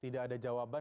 tidak ada jawaban